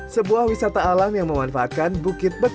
sebuah wisata alam yang memanfaatkan bukit yang berbeda